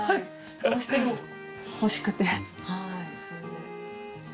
どうしても欲しくてそれで。